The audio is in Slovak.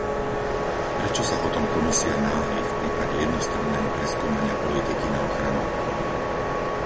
Prečo sa potom Komisia náhli v prípade jednostranného preskúmania politiky na ochranu obchodu?